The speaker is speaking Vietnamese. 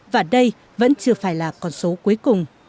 và đây vẫn chưa phải là con số cuối cùng